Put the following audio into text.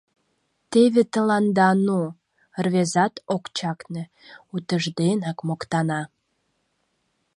— Теве тыланда ну! — рвезат ок чакне, утыжденак моктана.